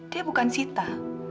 dia bukan sita